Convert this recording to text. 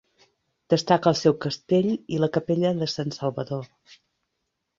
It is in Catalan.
Destaca el seu castell i la capella de Sant Salvador.